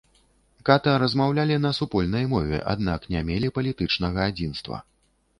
Ката размаўлялі на супольнай мове, аднак не мелі палітычнага адзінства.